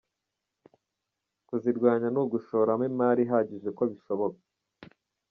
Kuzirwanya ni ugushoramo imari ihagije uko bishoboka.